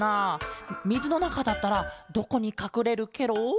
みずのなかだったらどこにかくれるケロ？